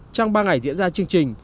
trong ba ngày diễn ra chương trình